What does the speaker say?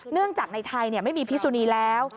เนื่องจากในไทยไม่มีพิสุนีแล้ว